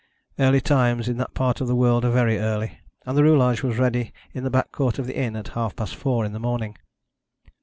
Early times in that part of the world are very early, and the roulage was ready in the back court of the inn at half past four in the morning.